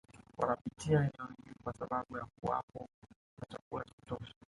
Wanapita eneo hili kwa sababu ya kuwapo na chakula cha kutosha